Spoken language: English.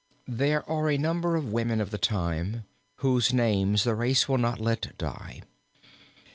There are a number of women of the time whose names the race will not let die.